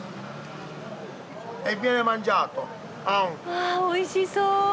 わおいしそう！